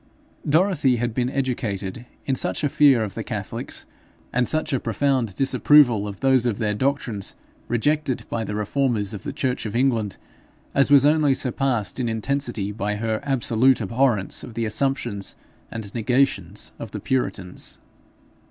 Dorothy had been educated in such a fear of the catholics, and such a profound disapproval of those of their doctrines rejected by the reformers of the church of England, as was only surpassed in intensity by her absolute abhorrence of the assumptions and negations of the puritans.